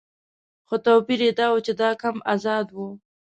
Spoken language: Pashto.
خو توپیر یې دا و چې دا کمپ آزاد و.